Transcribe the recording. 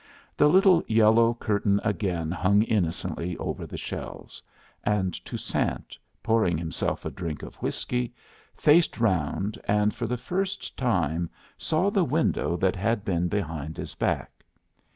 The little yellow curtain again hung innocently over the shelves, and Toussaint, pouring himself a drink of whiskey, faced round, and for the first time saw the window that had been behind his back.